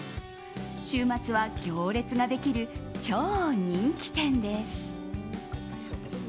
週末は行列ができる超人気店です。